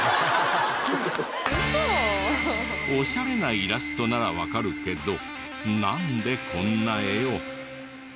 オシャレなイラストならわかるけどなんでこんな絵を。